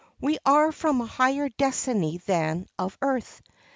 We are from a higher destiny than that of earth.